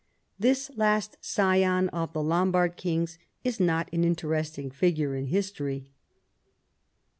This last scion of the Lombard kings is not an interesting figure in history.